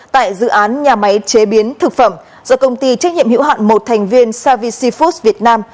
tại dự án nhà máy chế biến thực phẩm do công ty trách nhiệm hữu hạn một thành viên savi food việt nam